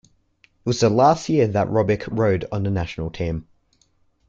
It was the last year that Robic rode on the national team.